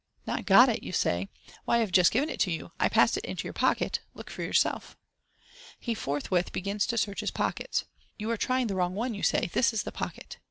Not got it !" you say j " why I have just given it to you. I passed it into your pocket. Look for yourself." He forthwith begins to search his pockets. " You are trying the wrong one," you say j " this is the pocket."